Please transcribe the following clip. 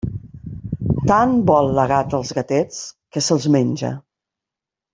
Tant vol la gata als gatets, que se'ls menja.